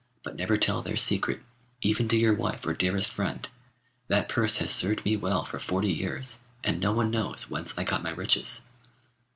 But never tell their secret, even to your wife or dearest friend. That purse has served me well for forty years, and no one knows whence I got my riches.